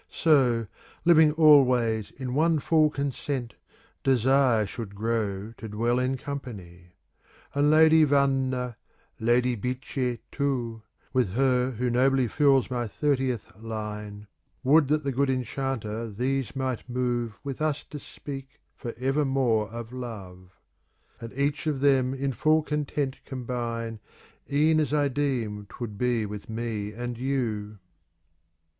So, living always in one full consent. Desire should grow to dwell in company: And Lady Vanna, Lady Bic& too, With her who nobly fills my thirtieth line— i« Would that the good enchanter these might move With us to speak for evermore of Love ; And each of them in full content combine, E'en as I deem 'twould be with me and you